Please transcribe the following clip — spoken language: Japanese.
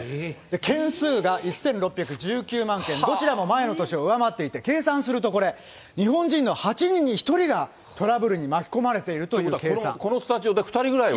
件数が１６１９万件、どちらも前の年を上回っていて、計算すると、これ、日本人の８人に１人がトラブルに巻き込まれているという計このスタジオで２人ぐらいは。